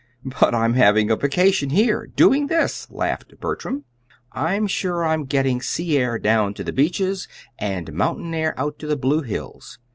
"But I'm having a vacation here, doing this," laughed Bertram. "I'm sure I'm getting sea air down to the beaches and mountain air out to the Blue Hills.